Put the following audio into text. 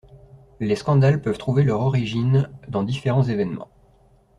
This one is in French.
Les scandales peuvent trouver leur origine dans différents événements.